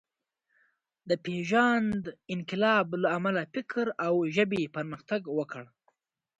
د پېژاند انقلاب له امله فکر او ژبې پرمختګ وکړ.